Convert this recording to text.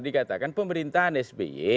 dikatakan pemerintahan sby